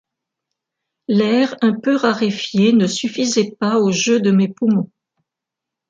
L’air, un peu raréfié, ne suffisait pas au jeu de mes poumons.